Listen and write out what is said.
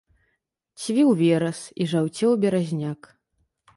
Цвіў верас, і жаўцеў беразняк.